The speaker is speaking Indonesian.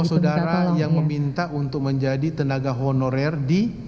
saudara yang meminta untuk menjadi tenaga honorer di